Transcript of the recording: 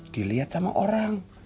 dilihat sama orang